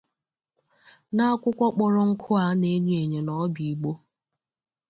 na akwụkwọ kpọrọ nkụ a na-enyo ènyò na ọ bụ ìgbó.